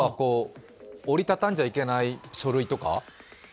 折り畳んじゃいけない書類とか？